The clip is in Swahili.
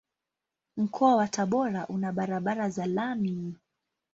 Mkoa wa Tabora una barabara za lami.